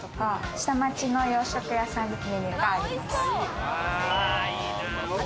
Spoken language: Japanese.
下町の洋食屋さんってメニューがあります。